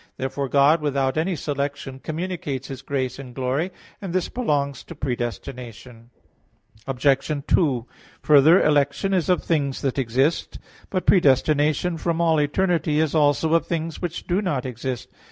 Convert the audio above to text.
Therefore God without any selection communicates His grace and glory; and this belongs to predestination. Obj. 2: Further, election is of things that exist. But predestination from all eternity is also of things which do not exist.